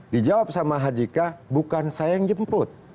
dijawab sama haji k bukan saya yang jemput